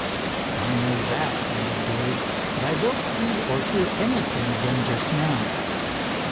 "I know that," admitted Dave, "but I don't see or hear anything of them just now."